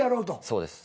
そうです。